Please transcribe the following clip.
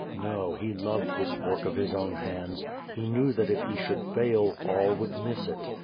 No, he loved this work of his own hands; he knew that if he should fail, all would miss it.